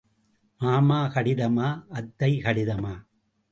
மாமா கடிதமா, அத்தை கடிதமா?